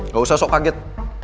gak usah sok kaget